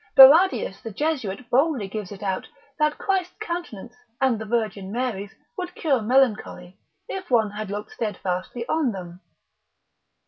Barradius the Jesuit boldly gives it out, that Christ's countenance, and the Virgin Mary's, would cure melancholy, if one had looked steadfastly on them.